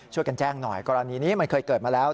ช่วยกันแจ้งหน่อยกรณีนี้มันเคยเกิดมาแล้ว